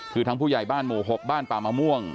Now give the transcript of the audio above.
คือทั้งผู้ใหญ่บ้านหมู่๖บ้านป่ามะม่วง